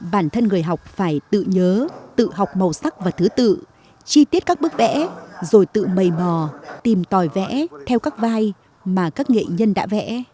bản thân người học phải tự nhớ tự học màu sắc và thứ tự chi tiết các bức vẽ rồi tự mầy mò tìm tòi vẽ theo các vai mà các nghệ nhân đã vẽ